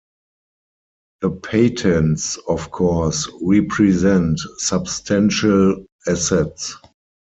The patents, of course, represent substantial assets.